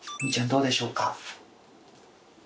どうでしょうか？